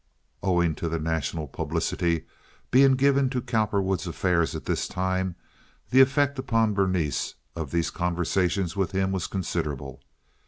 Owing to the national publicity being given to Cowperwood's affairs at this time the effect upon Berenice of these conversations with him was considerable.